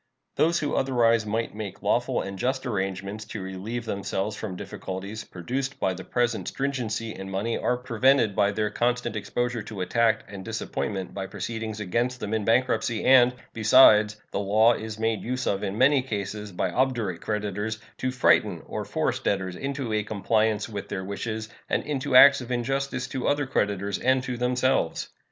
Those who otherwise might make lawful and just arrangements to relieve themselves from difficulties produced by the present stringency in money are prevented by their constant exposure to attack and disappointment by proceedings against them in bankruptcy, and, besides, the law is made use of in many cases by obdurate creditors to frighten or force debtors into a compliance with their wishes and into acts of injustice to other creditors and to themselves.